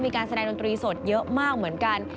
มีการแสดงดนตรีสดเยอะมากเหมือนกัน